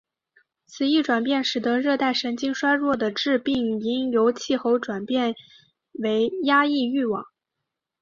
此一转变使得热带神经衰弱的致病因由气候转变为压抑欲望。